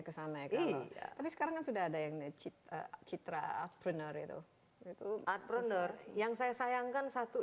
ke sana ya tapi sekarang sudah ada yang citra citra artpreneur itu artpreneur yang saya sayangkan satu